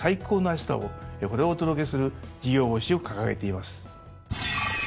これをお届けする事業方針を掲げています。